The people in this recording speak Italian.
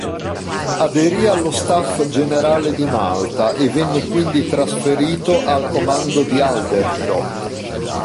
Aderì allo Staff Generale di Malta e venne quindi trasferito al comando di Aldershot.